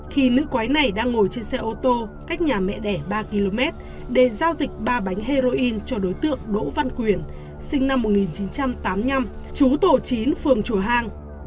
khi nữ quái này đang ngồi trên xe ô tô cách nhà mẹ đẻ ba km để giao dịch ba bánh heroin cho đối tượng đỗ văn quyền sinh năm một nghìn chín trăm tám mươi năm chú tổ chín phường chùa hang